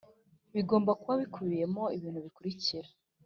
bigomba kuba bikubiyemo ibintu bikurikira